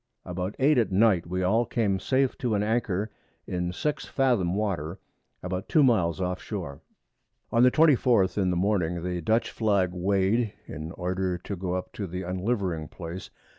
About 8 at Night we all came safe to an Anchor in 6 Fathom Water about 2 Miles off Shore. On the 24th in the Morning the Dutch Flag weigh'd, in order to go up to the unlivering Place.